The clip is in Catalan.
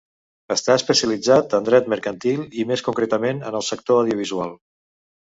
Està especialitzat en dret mercantil i més concretament en el sector audiovisual.